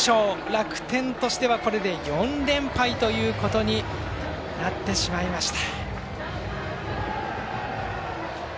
楽天としては、これで４連敗ということになってしまいました。